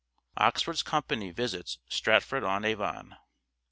Oxford's company visits Stratford on Avon.